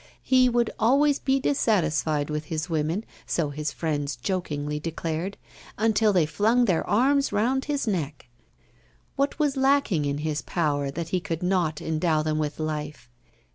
He would always be dissatisfied with his women so his friends jokingly declared until they flung their arms round his neck. What was lacking in his power that he could not endow them with life?